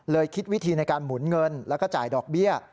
คิดวิธีในการหมุนเงินแล้วก็จ่ายดอกเบี้ย